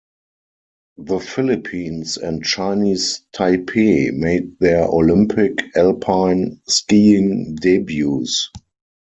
The Philippines and Chinese Taipei made their Olympic alpine skiing debuts.